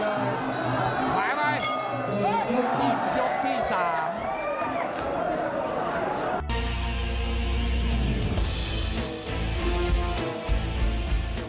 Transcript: โอ้หูพี่สาม